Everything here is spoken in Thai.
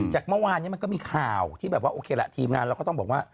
จากเมื่อวานนี้มันก็มีข่าวที่แบบว่าโอเคแหละทีมงานเราก็ต้องบอกว่า